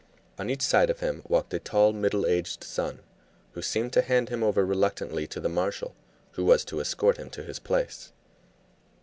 On each side of him walked a tall, middle aged son, who seemed to hand him over reluctantly to the marshal, who was to escort him to his place.